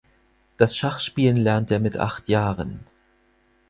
Das Schachspielen lernte er mit acht Jahren.